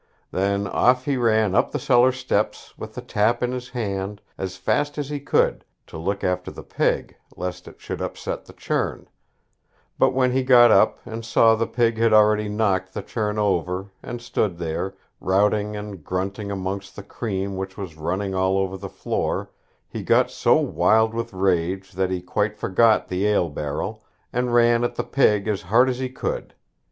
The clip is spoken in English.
Then off he ran up the cellar steps, with the tap in his hand, as fast as he could, to look after the pig, lest it should upset the churn; but when he got up, and saw the pig had already knocked the churn over, and stood there, routing and grunting amongst the cream which was running all over the floor, he got so wild with rage that he quite forgot the ale barrel, and ran at the pig as hard as he could.